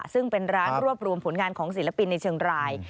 ซึ่งเป็นร้านรวบรวมผลงานของศิลปินในเชียงราย